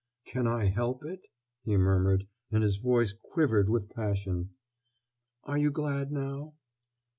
"Can I help it?" he murmured, and his voice quivered with passion. "Are you glad now?"